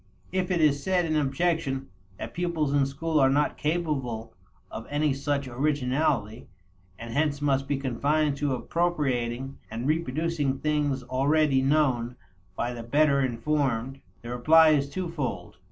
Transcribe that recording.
If it is said in objection, that pupils in school are not capable of any such originality, and hence must be confined to appropriating and reproducing things already known by the better informed, the reply is twofold.